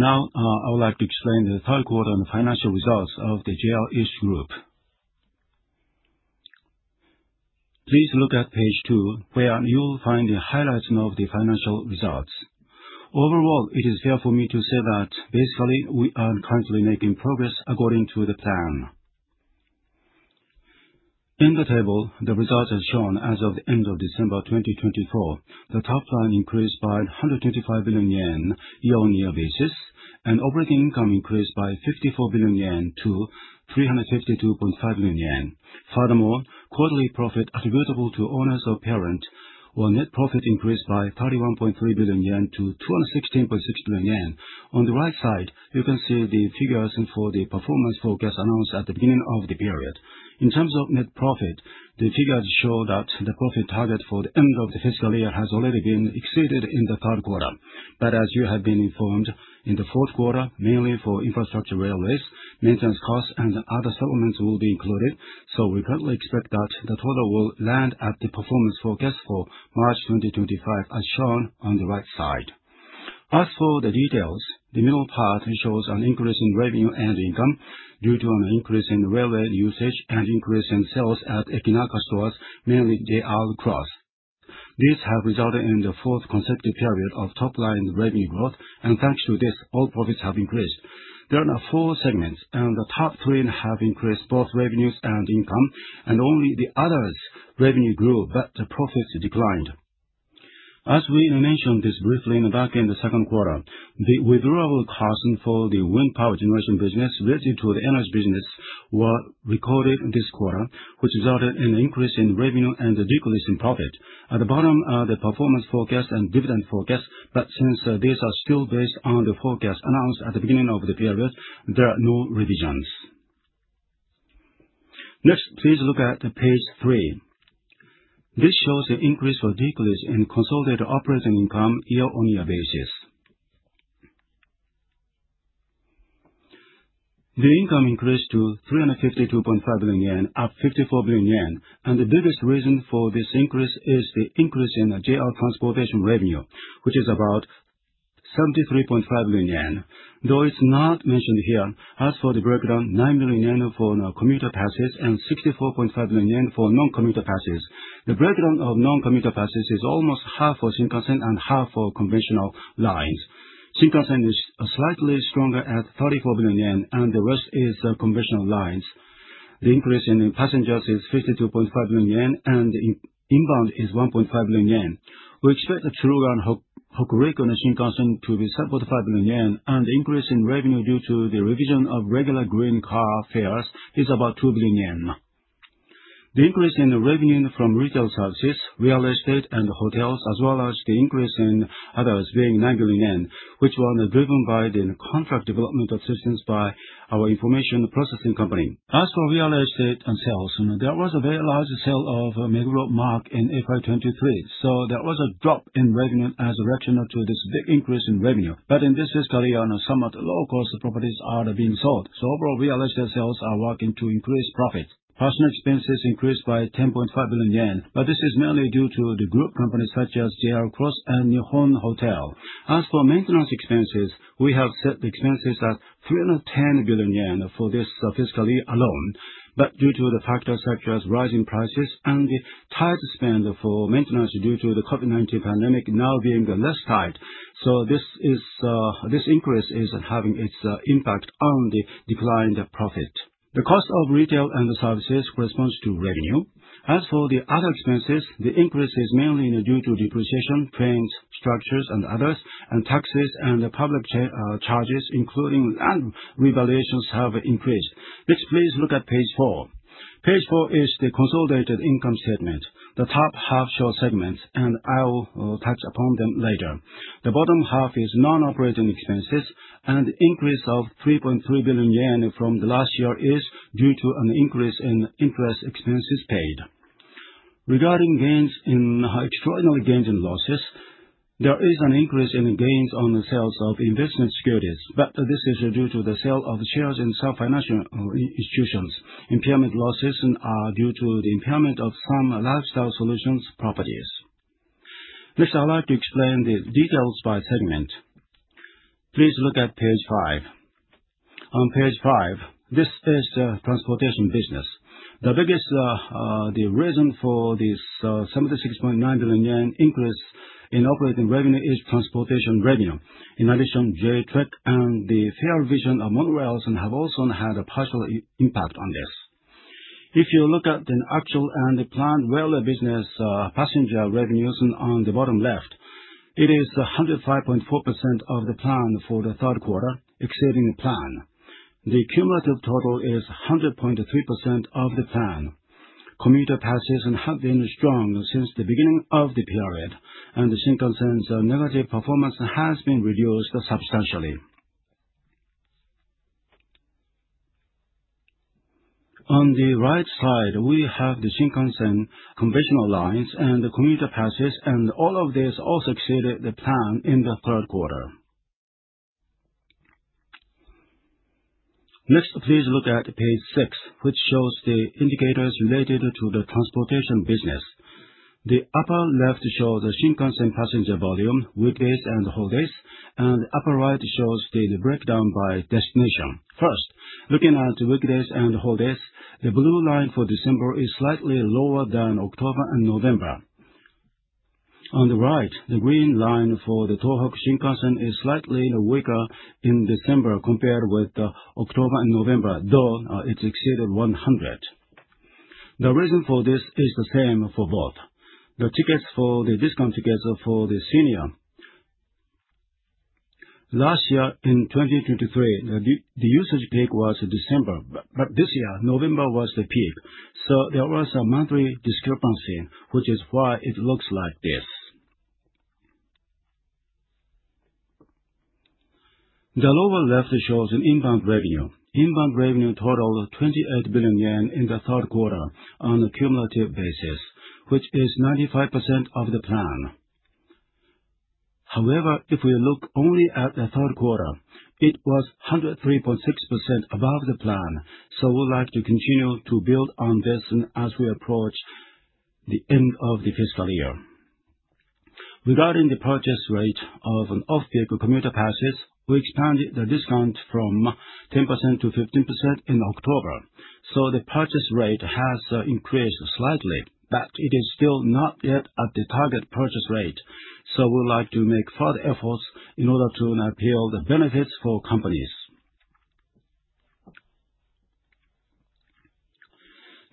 Now, I would like to explain the third quarter and the financial results of the JR East Group. Please look at page two, where you will find the highlights of the financial results. Overall, it is fair for me to say that, basically, we are currently making progress according to the plan. In the table, the results are shown as of the end of December 2024. The top line increased by 125 billion yen year-on-year basis, and operating income increased by 54 billion yen to 352.5 billion yen. Furthermore, quarterly profit attributable to owners of the parent, while net profit increased by 31.3 billion yen to 216.6 billion yen. On the right side, you can see the figures for the performance forecast announced at the beginning of the period. In terms of net profit, the figures show that the profit target for the end of the fiscal year has already been exceeded in the third quarter. But as you have been informed, in the fourth quarter, mainly for infrastructure railways, maintenance costs, and other settlements will be included, so we currently expect that the total will land at the performance forecast for March 2025, as shown on the right side. As for the details, the middle part shows an increase in revenue and income due to an increase in railway usage and increase in sales at Ekinaka stores, mainly JR Cross. These have resulted in the fourth consecutive period of top-line revenue growth, and thanks to this, all profits have increased. There are now four segments, and the top three have increased both revenues and income, and only the others' revenue grew, but the profits declined. As we mentioned this briefly back in the second quarter, the withdrawal costs for the wind power generation business related to the energy business were recorded this quarter, which resulted in an increase in revenue and a decrease in profit. At the bottom are the performance forecast and dividend forecast, but since these are still based on the forecast announced at the beginning of the period, there are no revisions. Next, please look at page three. This shows the increase or decrease in consolidated operating income year-on-year basis. The income increased to 352.5 billion yen, up 54 billion yen, and the biggest reason for this increase is the increase in JR Transportation revenue, which is about 73.5 billion yen. Though it's not mentioned here, as for the breakdown, 9 million yen for commuter passes and 64.5 million yen for non-commuter passes. The breakdown of non-commuter passes is almost half for Shinkansen and half for conventional lines. Shinkansen is slightly stronger at 34 billion yen, and the rest is conventional lines. The increase in passengers is 52.5 billion yen, and inbound is 1.5 billion yen. We expect the through-run Hokuriku Shinkansen to be 75 billion yen, and the increase in revenue due to the revision of regular Green Car fares is about 2 billion yen. The increase in revenue from retail services, real estate, and hotels, as well as the increase in others, being 9 billion yen, which were driven by the contract development assistance by our information processing company. As for real estate and sales, there was a very large sale of Meguro MARC in FY 2023, so there was a drop in revenue as a reaction to this big increase in revenue. But in this fiscal year, somewhat low-cost properties are being sold, so overall real estate sales are working to increase profits. Personal expenses increased by 10.5 billion yen, but this is mainly due to the group companies such as JR Cross and Nippon Hotel. As for maintenance expenses, we have set the expenses at 310 billion yen for this fiscal year alone, but due to the factors such as rising prices and the tight spend for maintenance due to the COVID-19 pandemic now being less tight, so this increase is having its impact on the declined profit. The cost of retail and services corresponds to revenue. As for the other expenses, the increase is mainly due to depreciation, trains, structures, and others, and taxes and public charges, including land revaluations, have increased. Next, please look at page four. Page four is the consolidated income statement. The top half shows segments, and I will touch upon them later. The bottom half is non-operating expenses, and the increase of 3.3 billion yen from the last year is due to an increase in interest expenses paid. Regarding gains, in extraordinary gains and losses, there is an increase in gains on the sales of investment securities, but this is due to the sale of shares in some financial institutions. Impairment losses are due to the impairment of some lifestyle solutions properties. Next, I would like to explain the details by segment. Please look at page five. On page five, this is the transportation business. The biggest reason for this 76.9 billion yen increase in operating revenue is transportation revenue. In addition, J-TREC and the fare revision of Monorails have also had a partial impact on this. If you look at the actual and planned railway business passenger revenues on the bottom left, it is 105.4% of the plan for the third quarter, exceeding the plan. The cumulative total is 100.3% of the plan. Commuter passes have been strong since the beginning of the period, and the Shinkansen's negative performance has been reduced substantially. On the right side, we have the Shinkansen conventional lines and commuter passes, and all of these also exceeded the plan in the third quarter. Next, please look at page six, which shows the indicators related to the transportation business. The upper left shows the Shinkansen passenger volume, weekdays and holidays, and the upper right shows the breakdown by destination. First, looking at weekdays and holidays, the blue line for December is slightly lower than October and November. On the right, the green line for the Tohoku Shinkansen is slightly weaker in December compared with October and November, though it exceeded 100. The reason for this is the same for both. The tickets for the discount tickets for the senior. Last year, in 2023, the usage peak was December, but this year, November was the peak, so there was a monthly discrepancy, which is why it looks like this. The lower left shows inbound revenue. Inbound revenue totaled 28 billion yen in the third quarter on a cumulative basis, which is 95% of the plan. However, if we look only at the third quarter, it was 103.6% above the plan, so we would like to continue to build on this as we approach the end of the fiscal year. Regarding the purchase rate of Off-Peak Commuter Passes, we expanded the discount from 10% to 15% in October, so the purchase rate has increased slightly, but it is still not yet at the target purchase rate, so we would like to make further efforts in order to appeal the benefits for companies.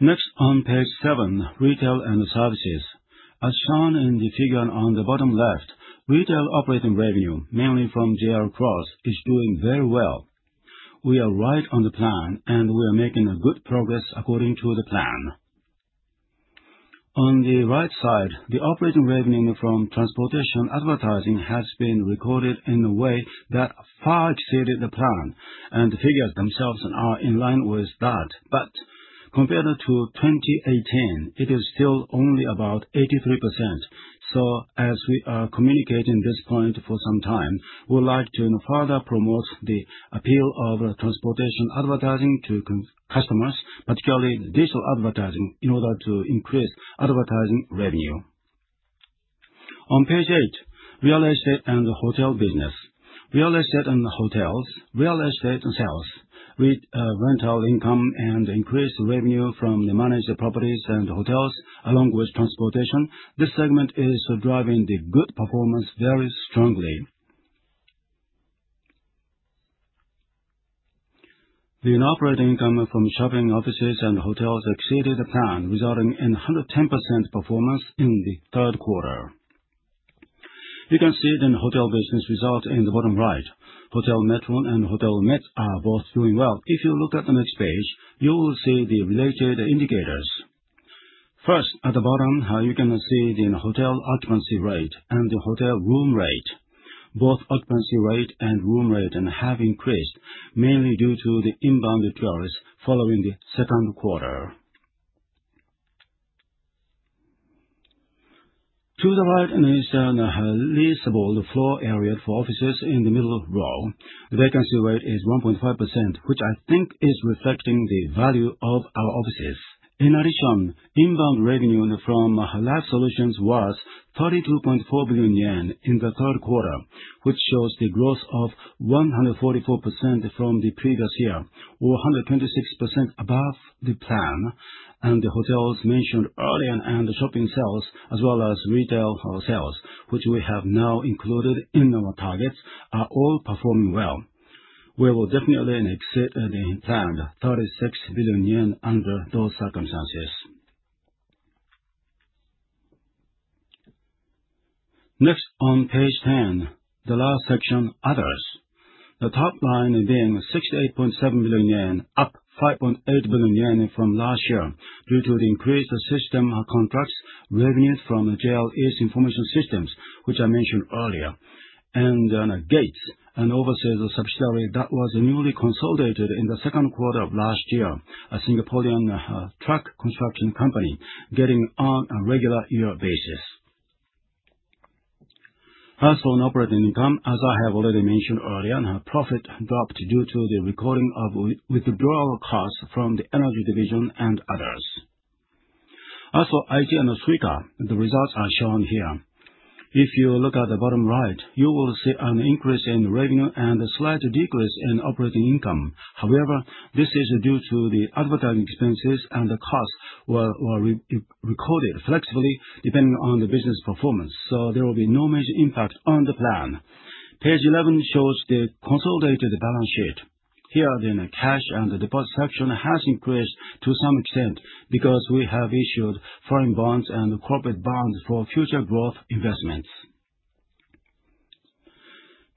Next, on page seven, retail and services. As shown in the figure on the bottom left, retail operating revenue, mainly from JR Cross, is doing very well. We are right on the plan, and we are making good progress according to the plan. On the right side, the operating revenue from transportation advertising has been recorded in a way that far exceeded the plan, and the figures themselves are in line with that, but compared to 2018, it is still only about 83%. As we are communicating this point for some time, we would like to further promote the appeal of transportation advertising to customers, particularly digital advertising, in order to increase advertising revenue. On page eight, real estate and hotel business. Real estate and hotels, real estate sales, rental income, and increased revenue from the managed properties and hotels, along with transportation, this segment is driving the good performance very strongly. The operating income from shopping offices and hotels exceeded the plan, resulting in 110% performance in the third quarter. You can see the hotel business result in the bottom right. Hotel Metropolitan and Hotel Mets are both doing well. If you look at the next page, you will see the related indicators. First, at the bottom, you can see the hotel occupancy rate and the hotel room rate. Both occupancy rate and room rate have increased, mainly due to the inbound tourists following the second quarter. To the right, there is a leasable floor area for offices in the middle row. The vacancy rate is 1.5%, which I think is reflecting the value of our offices. In addition, inbound revenue from Life Solutions was 32.4 billion yen in the third quarter, which shows the growth of 144% from the previous year, or 126% above the plan, and the hotels mentioned earlier and the shopping sales, as well as retail sales, which we have now included in our targets, are all performing well. We will definitely exceed the planned 36 billion yen under those circumstances. Next, on page 10, the last section, others. The top line being 68.7 billion yen, up 5.8 billion yen from last year due to the increased system contracts revenues from JR East Information Systems, which I mentioned earlier. Gates, an overseas subsidiary that was newly consolidated in the second quarter of last year, a Singaporean track construction company, getting on a regular year basis. As for operating income, as I have already mentioned earlier, profit dropped due to the recording of withdrawal costs from the energy division and others. As for IG and Suica, the results are shown here. If you look at the bottom right, you will see an increase in revenue and a slight decrease in operating income. However, this is due to the advertising expenses and the costs were recorded flexibly depending on the business performance, so there will be no major impact on the plan. Page 11 shows the consolidated balance sheet. Here, the cash and deposit section has increased to some extent because we have issued foreign bonds and corporate bonds for future growth investments.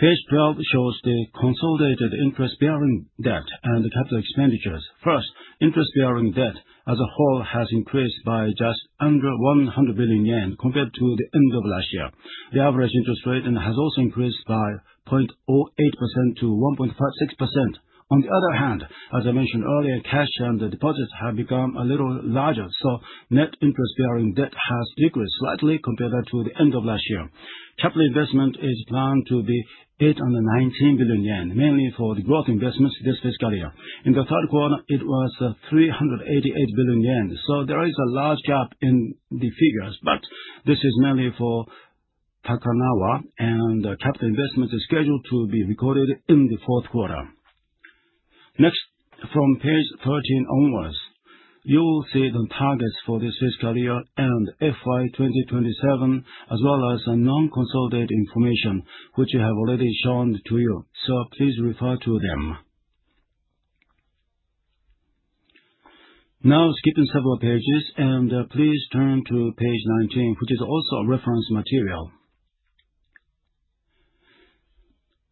Page 12 shows the consolidated interest-bearing debt and capital expenditures. First, interest-bearing debt as a whole has increased by just under 100 billion yen compared to the end of last year. The average interest rate has also increased by 0.08% to 1.6%. On the other hand, as I mentioned earlier, cash and deposits have become a little larger, so net interest-bearing debt has decreased slightly compared to the end of last year. Capital investment is planned to be 819 billion yen, mainly for the growth investments this fiscal year. In the third quarter, it was 388 billion yen, so there is a large gap in the figures, but this is mainly for Takanawa, and capital investment is scheduled to be recorded in the fourth quarter. Next, from page 13 onwards, you will see the targets for this fiscal year and FY 2027, as well as non-consolidated information, which I have already shown to you, so please refer to them. Now, skipping several pages, please turn to page 19, which is also reference material.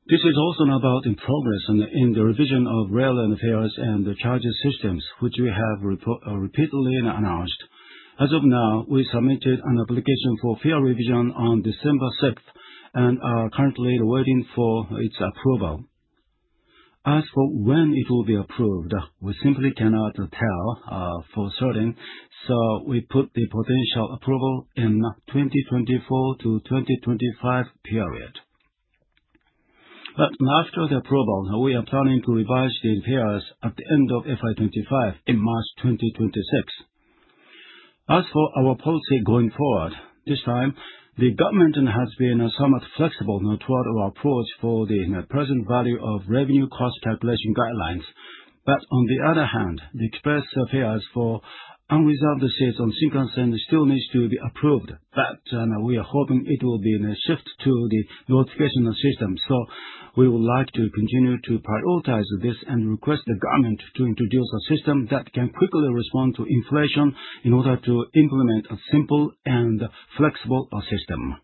This is also about progress in the revision of railway fares and charges systems, which we have repeatedly announced. As of now, we submitted an application for fare revision on December 6th and are currently awaiting its approval. As for when it will be approved, we simply cannot tell for certain, so we put the potential approval in the 2024-2025 period. But after the approval, we are planning to revise the fares at the end of FY 2025 in March 2026. As for our policy going forward, this time, the government has been somewhat flexible toward our approach for the present value of revenue cost calculation guidelines, but on the other hand, the express fares for unreserved seats on Shinkansen still need to be approved, but we are hoping it will be a shift to the notification system, so we would like to continue to prioritize this and request the government to introduce a system that can quickly respond to inflation in order to implement a simple and flexible system.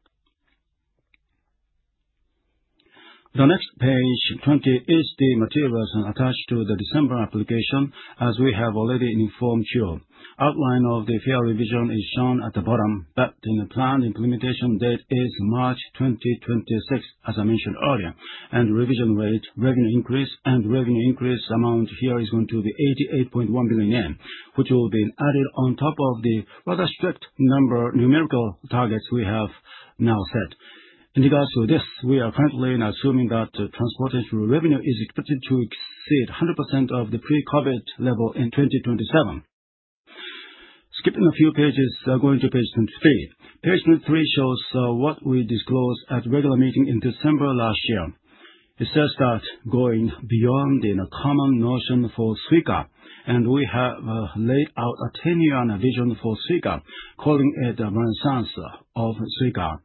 The next page, 20, is the materials attached to the December application, as we have already informed you. The outline of the fare revision is shown at the bottom, but the planned implementation date is March 2026, as I mentioned earlier, and the revision rate, revenue increase, and revenue increase amount here is going to be 88.1 billion yen, which will be added on top of the rather strict number numerical targets we have now set. In regards to this, we are currently assuming that transportation revenue is expected to exceed 100% of the pre-COVID level in 2027. Skipping a few pages, going to page 23. Page 23 shows what we disclosed at regular meeting in December last year. It says that going beyond the common notion for Suica, and we have laid out a 10-year vision for Suica, calling it the Renaissance of Suica.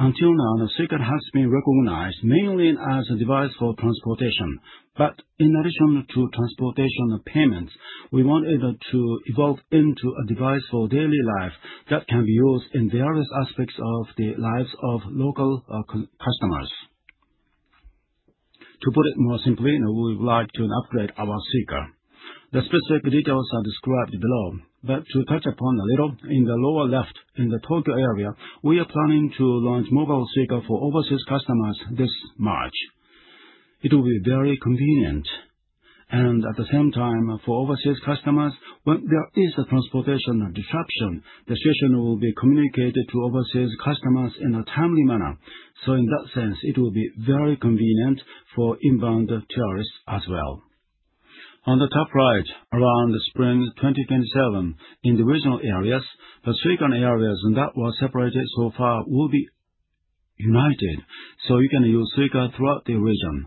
Until now, Suica has been recognized mainly as a device for transportation, but in addition to transportation payments, we want it to evolve into a device for daily life that can be used in various aspects of the lives of local customers. To put it more simply, we would like to upgrade our Suica. The specific details are described below, but to touch upon a little, in the lower left, in the Tokyo area, we are planning to launch Mobile Suica for overseas customers this March. It will be very convenient. And at the same time, for overseas customers, when there is a transportation disruption, the situation will be communicated to overseas customers in a timely manner. So in that sense, it will be very convenient for inbound tourists as well. On the top right, around spring 2027, in the regional areas, the Suica areas that were separated so far will be united, so you can use Suica throughout the region.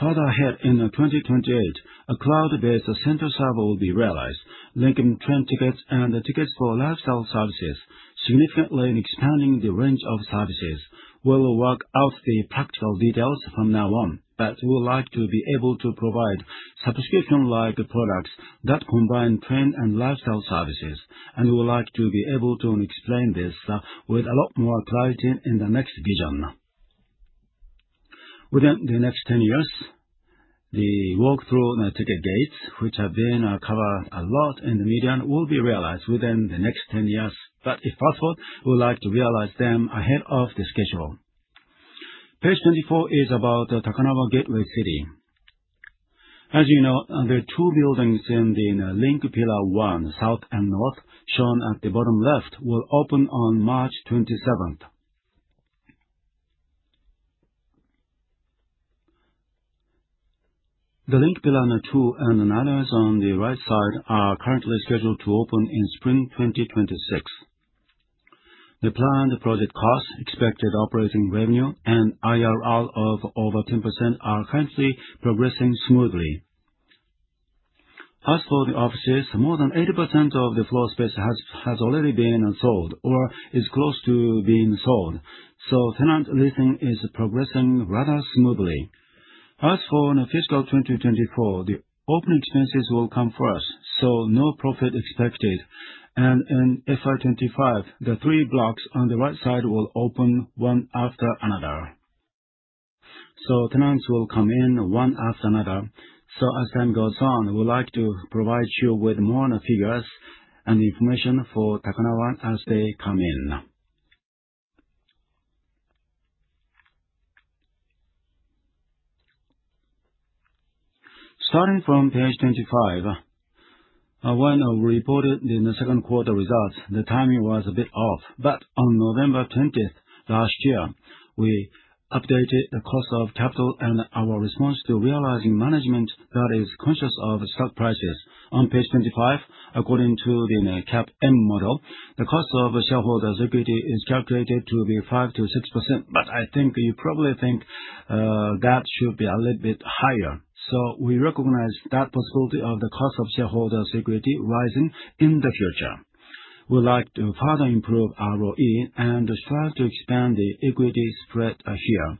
Further ahead, in 2028, a cloud-based central server will be realized, linking train tickets and tickets for lifestyle services, significantly expanding the range of services. We will work out the practical details from now on, but we would like to be able to provide subscription-like products that combine train and lifestyle services. And we would like to be able to explain this with a lot more clarity in the next vision. Within the next 10 years, the walkthrough ticket gates, which have been covered a lot in the media, will be realized within the next 10 years. But if possible, we would like to realize them ahead of the schedule. Page 24 is about Takanawa Gateway City. As you know, the two buildings in the LinkPillar 1, South and North, shown at the bottom left, will open on March 27th. The LinkPillar 2 and 9 on the right side are currently scheduled to open in spring 2026. The planned project cost, expected operating revenue, and IRR of over 10% are currently progressing smoothly. As for the offices, more than 80% of the floor space has already been sold or is close to being sold, so tenant leasing is progressing rather smoothly. As for the fiscal 2024, the opening expenses will come first, so no profit expected, and in FY 2025, the three blocks on the right side will open one after another, so tenants will come in one after another, so as time goes on, we'd like to provide you with more figures and information for Takanawa as they come in. Starting from page 25, when we reported the second quarter results, the timing was a bit off, but on November 20th, last year, we updated the cost of capital and our response to realizing management that is conscious of stock prices. On page 25, according to the CAPM model, the cost of equity is calculated to be 5%-6%, but I think you probably think that should be a little bit higher, so we recognize that possibility of the cost of equity rising in the future. We'd like to further improve ROE and try to expand the equity spread here.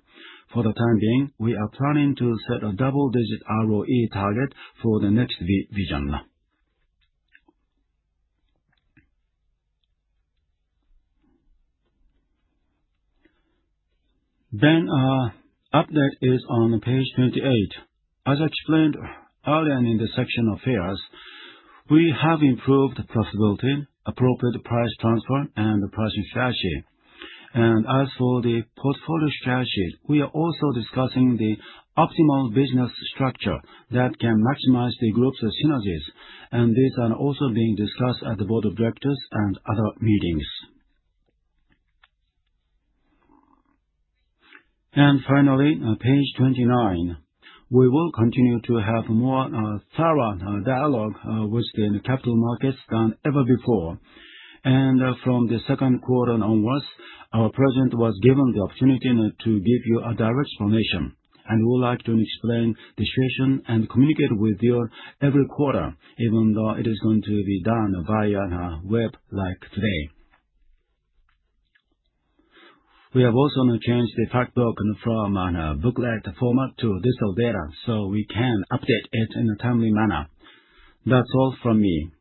For the time being, we are planning to set a double-digit ROE target for the next vision, then our update is on page 28. As I explained earlier in the section on fares, we have improved profitability, appropriate price transfer, and pricing strategy. As for the portfolio strategy, we are also discussing the optimal business structure that can maximize the group's synergies, and these are also being discussed at the board of directors and other meetings, and finally, page 29, we will continue to have a more thorough dialogue with the capital markets than ever before, and from the second quarter onwards, our president was given the opportunity to give you a direct explanation, and we would like to explain the situation and communicate with you every quarter, even though it is going to be done via a web, like today. We have also changed the fact book from a booklet format to digital data, so we can update it in a timely manner. That's all from me.